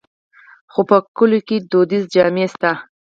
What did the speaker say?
خو په کلیو کې دودیزې جامې شته.